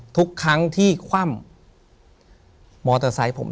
ถูกต้องไหมครับถูกต้องไหมครับ